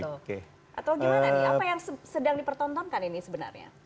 atau gimana nih apa yang sedang dipertontonkan ini sebenarnya